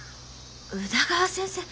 宇田川先生。